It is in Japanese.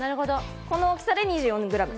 この大きさで２４グラム。